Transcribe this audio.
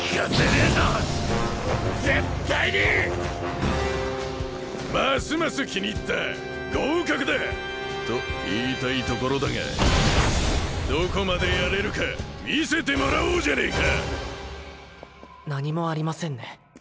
フッますます気に入った合格だと言いたいところだがどこまでやれるか見せてもらおうじゃねえか何もありませんね